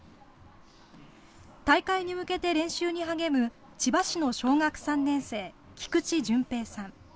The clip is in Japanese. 大会に向けて練習に励む千葉市の小学３年生、菊池純平さん。